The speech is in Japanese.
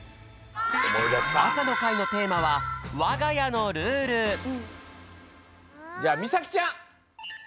朝の会のテーマは「わがやのルール」じゃあみさきちゃん！